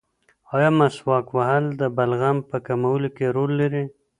ایا مسواک وهل د بلغم په کمولو کې رول لري؟